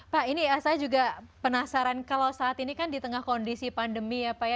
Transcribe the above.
pak ini saya juga penasaran kalau saat ini kan di tengah kondisi pandemi ya pak ya